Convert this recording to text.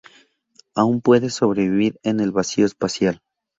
Aún puede sobrevivir en el vacío espacial.